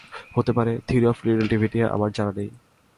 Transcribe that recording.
হতে পারে, theory of relativity আমার জানা নেই।